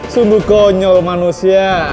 sungguh konyol manusia